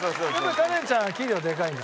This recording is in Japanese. カレンちゃんは器量でかいな。